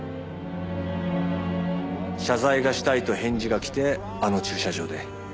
謝罪がしたいと返事が来てあの駐車場で。